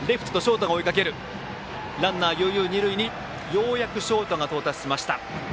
ようやくショートが到達しました。